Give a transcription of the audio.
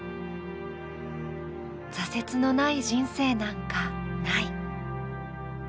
挫折のない人生なんかない。